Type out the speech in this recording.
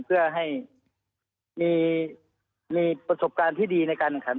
เพื่อให้มีประสบการณ์ที่ดีในการแข่งขัน